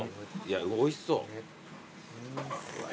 おいしそう。